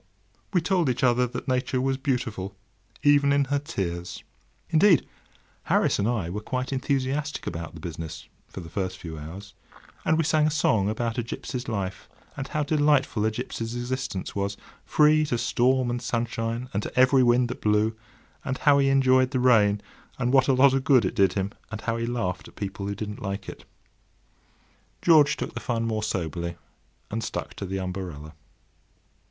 We told each other that Nature was beautiful, even in her tears. [Picture: The boat in the rain] Indeed, Harris and I were quite enthusiastic about the business, for the first few hours. And we sang a song about a gipsy's life, and how delightful a gipsy's existence was!—free to storm and sunshine, and to every wind that blew!—and how he enjoyed the rain, and what a lot of good it did him; and how he laughed at people who didn't like it. George took the fun more soberly, and stuck to the umbrella.